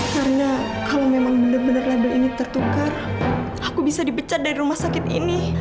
karena kalau memang bener bener label ini tertukar aku bisa dipecat dari rumah sakit ini